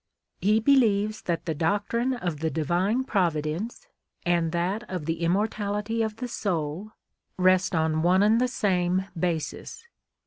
He believes that the doctrine of the Divine Providence, and that of the immortality of the soul, rest on one and the same basis.